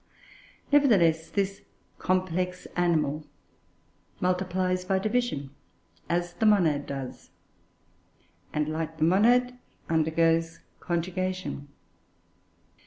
Nevertheless, this complex animal multiplies by division, as the monad does, and, like the monad, undergoes conjugation.